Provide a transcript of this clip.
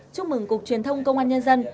chúc mừng cục truyền thông công an nhân dân